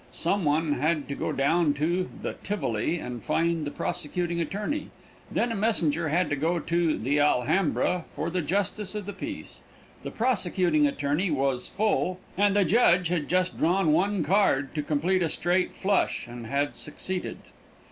Some one had to go down to "The Tivoli" and find the prosecuting attorney, then a messenger had to go to "The Alhambra" for the justice of the peace. The prosecuting attorney was "full," and the judge had just drawn one card to complete a straight flush, and had succeeded.